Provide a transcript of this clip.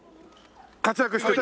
活躍してる？